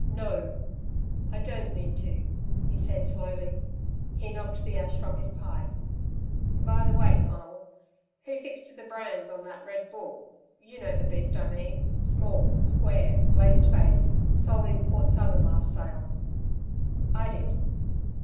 "No. I don't mean to," he said slowly. He knocked the ash from his pipe. "By the way, Conal, who fixed the brands on that red bull? You know the beast I mean small, square, blazed face, sold in Port Southern last sales." "I did."